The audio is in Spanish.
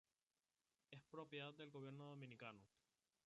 Es propiedad del Gobierno dominicano.